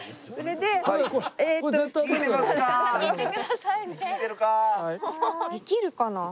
できるかな？